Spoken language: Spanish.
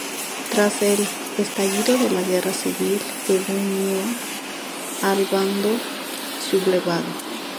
Tras el estallido de la Guerra civil se unió al bando sublevado.